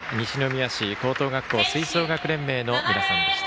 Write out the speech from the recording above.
演奏は西宮市高等学校吹奏楽連盟の皆さんでした。